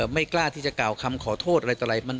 ไม่กล้าที่จะกล่าวคำขอโทษอะไรต่ออะไร